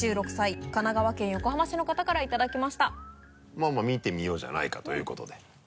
まぁまぁ見てみようじゃないかということで。